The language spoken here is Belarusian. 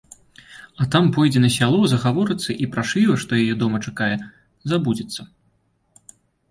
А там пойдзе на сяло, загаворыцца і пра швіва, што яе дома чакае, забудзецца.